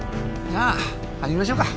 じゃあ始めましょうか。